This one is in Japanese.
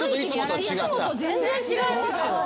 いつもと全然違います。